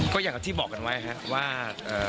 ก็อย่างที่บอกกันไว้ครับว่า